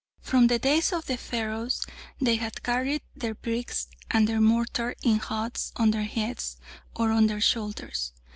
From the days of the Pharaohs they had carried their bricks and their mortar in hods on their heads or on their shoulders.